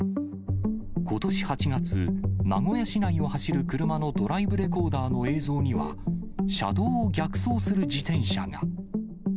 ことし８月、名古屋市内を走る車のドライブレコーダーの映像には、車道を逆走する自転車が。